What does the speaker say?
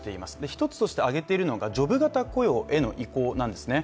一つとして挙げているのがジョブ型雇用への移行なんですね。